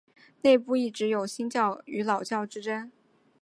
内部一直有新教与老教之争。